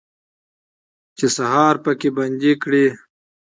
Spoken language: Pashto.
چې سهار پکې بندي کړي